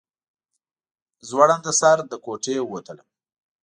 زوړنده سر له کوټې ووتلم.